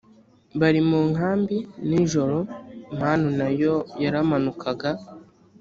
bari mu nkambi nijoro manu na yo yaramanukaga